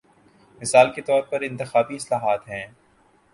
مثال کے طور پر انتخابی اصلاحات ہیں۔